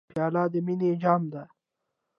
پیاله د مینې جام ده.